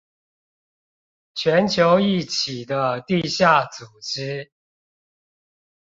全球一起的地下組織